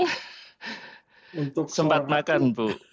untuk sempat makan bu